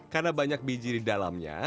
karena banyak biji di dalamnya